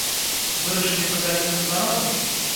Вырашылі падзяліцца з народам?